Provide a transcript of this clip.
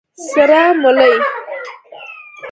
🫜 سره مولي